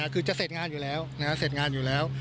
คือจะเสร็จงานอยู่แล้ว